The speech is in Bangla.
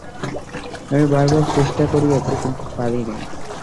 আমি বারবার চেষ্টা করিয়াছি, কিন্তু পারি নাই।